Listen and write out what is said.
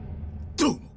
どうも！